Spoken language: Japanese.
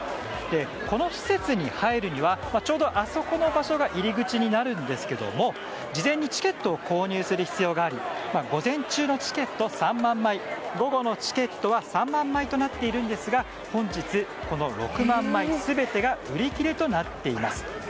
この施設に入るには、ちょうどあそこの場所が入り口なんですが事前にチケットを購入する必要があり午前中のチケットは３万枚午後のチケットは３万枚となっているんですが、本日６万枚全てが売り切れとなっています。